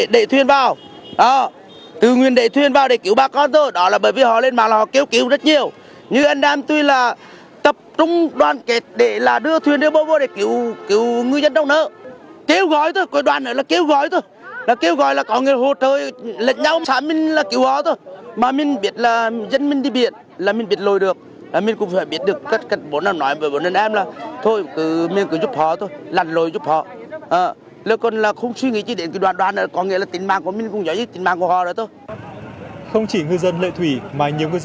không chỉ ngư dân lệ thủy mà nhiều ngư dân biển ở các viện quảng ninh